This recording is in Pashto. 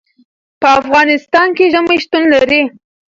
په افغانستان کې ژمی شتون لري.